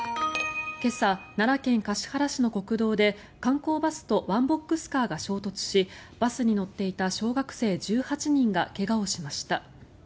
今朝、奈良県橿原市の国道で観光バスとワンボックスカーが衝突しバスに乗っていた小学生１８人が怪我をしました。